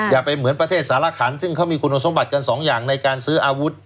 อย่าไปเหมือนประเทศสารขันซึ่งเขามีคุณสมบัติกันสองอย่างในการซื้ออาวุธ